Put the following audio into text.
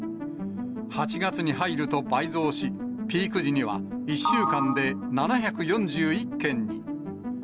８月に入ると倍増し、ピーク時には１週間で７４１件に。